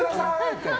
って。